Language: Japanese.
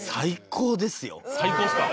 最高ですか？